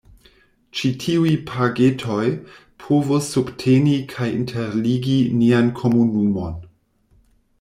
Ĉi tiuj “pagetoj” povus subteni kaj interligi nian komunumon.